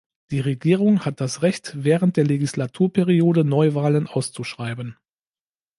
Die Regierung hat das Recht, während der Legislaturperiode Neuwahlen auszuschreiben.